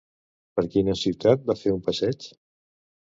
Per quina ciutat va fer un passeig?